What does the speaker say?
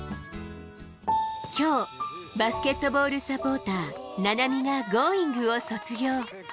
きょう、バスケットボールサポーター、菜波がＧｏｉｎｇを卒業。